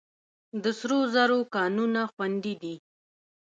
د سرو زرو کانونه خوندي دي؟